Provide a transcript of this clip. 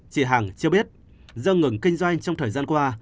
chị hằng cho biết dơ ngừng kinh doanh trong thời gian qua